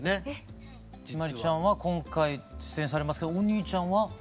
陽葵ちゃんは今回出演されますけどお兄ちゃんは？